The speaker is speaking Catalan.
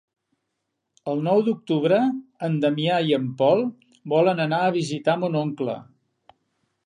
El nou d'octubre en Damià i en Pol volen anar a visitar mon oncle.